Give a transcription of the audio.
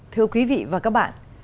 thưa quý vị và các bạn